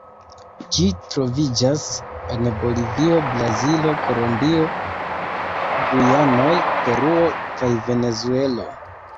Ĝi troviĝas en Bolivio, Brazilo, Kolombio, Gujanoj, Peruo kaj Venezuelo.